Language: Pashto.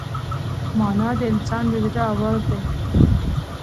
مانا د انسان د زړه آواز دی.